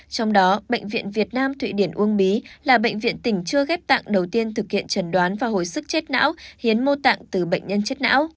trong đó bệnh viện việt nam thụy điển uông bí là bệnh viện tỉnh chưa ghép tạng đầu tiên thực hiện trần đoán và hồi sức chết não hiến mô tạng từ bệnh nhân chết não